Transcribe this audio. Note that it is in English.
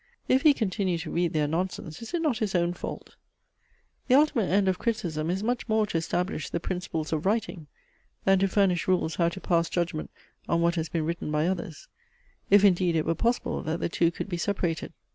If he continue to read their nonsense, is it not his own fault? The ultimate end of criticism is much more to establish the principles of writing, than to furnish rules how to pass judgment on what has been written by others; if indeed it were possible that the two could be separated.